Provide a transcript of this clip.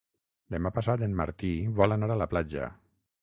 Demà passat en Martí vol anar a la platja.